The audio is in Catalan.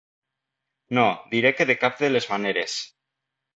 No, diré que de cap de les maneres.